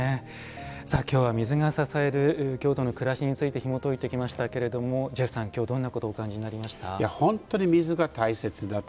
今日は、水が支える京都の暮らしについてひもといてきましたけれどもジェフさん、今日はどんなことを本当に水が大切だと。